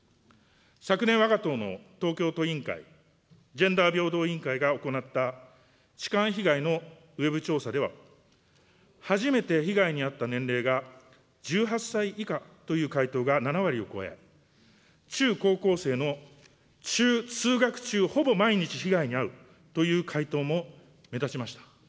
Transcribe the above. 昨年、わが党の東京都委員会・ジェンダー平等委員会が行った痴漢被害のウェブ調査では、初めて被害に遭った年齢が１８歳以下という回答が７割を超え、中高校生の通学中ほぼ毎日被害に遭うという回答も目立ちました。